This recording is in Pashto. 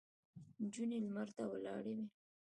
نجونې لمر ته ولاړې وې.